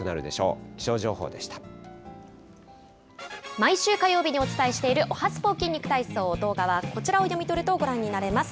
毎週火曜日にお伝えしているおはＳＰＯ筋肉体操、動画はこちらを読み取るとご覧になれます。